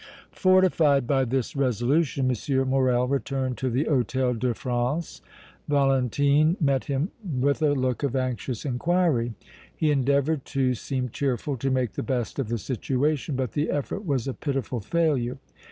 Fortified by this resolution M. Morrel returned to the Hôtel de France. Valentine met him with a look of anxious inquiry. He endeavoured to seem cheerful, to make the best of the situation, but the effort was a pitiful failure.